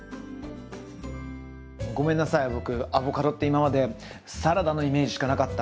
ごめんなさい僕アボカドって今までサラダのイメージしかなかった。